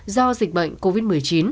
do dịch bệnh covid một mươi chín